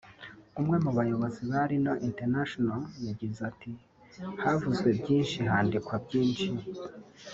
umwe mu bayobozi ba Lino International yagize ati “Havuzwe byinshi handikwa byinshi